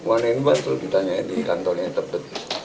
one and one terus ditanyain di kantornya yang terbetul